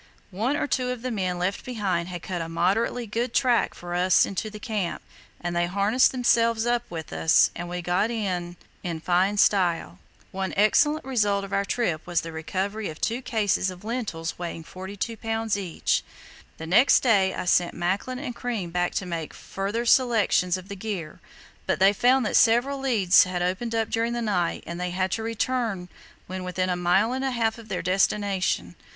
"One or two of the men left behind had cut a moderately good track for us into the camp, and they harnessed themselves up with us, and we got in in fine style. "One excellent result of our trip was the recovery of two cases of lentils weighing 42 lbs. each." The next day I sent Macklin and Crean back to make a further selection of the gear, but they found that several leads had opened up during the night, and they had to return when within a mile and a half of their destination.